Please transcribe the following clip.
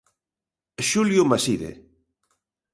Xulio Maside.